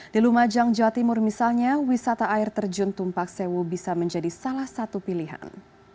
di lumajang jawa timur misalnya wisata air terjun tumpak sewu bisa menjadi salah satu pilihan